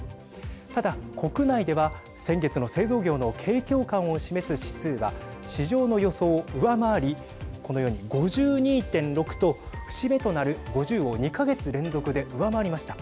ただ、国内では先月の製造業の景況感を示す指数は市場の予想を上回り、このように５２．６と節目となる５０を２か月連続で上回りました。